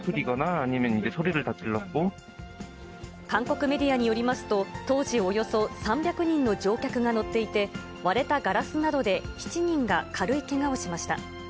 韓国メディアによりますと、当時、およそ３００人の乗客が乗っていて、割れたガラスなどで７人が軽いけがをしました。